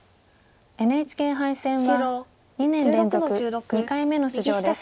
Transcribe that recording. ＮＨＫ杯戦は２年連続２回目の出場です。